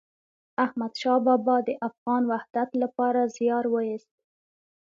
احمد شاه بابا د افغان وحدت لپاره زیار وایست.